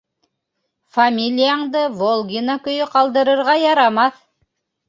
Фамилияңды Волгина көйө ҡалдырырға ярамаҫ.